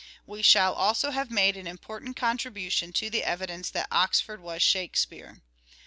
We shall also have made an important contribution to the evidence that Oxford was " Shake speare."